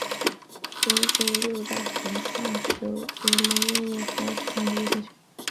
东京六大学棒球联盟拥有使用球场的优先权。